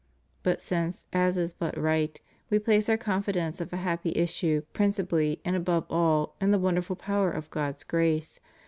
But since, as is but right. We place Our confidence of a happy issue principally and above all in the wonderful power of God's grace.